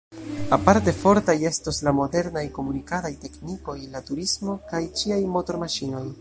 Aparte fortaj estos la modernaj komunikadaj teknikoj, la turismo kaj ĉiaj motormaŝinoj.